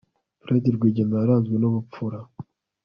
fred rwigema yaranzwe n'ubupfura